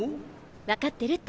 わかってるって。